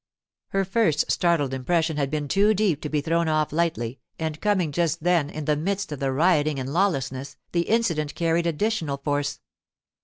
Her first startled impression had been too deep to be thrown off lightly, and coming just then, in the midst of the rioting and lawlessness, the incident carried additional force.